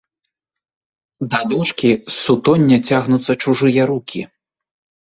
Да дошкі з сутоння цягнуцца чужыя рукі.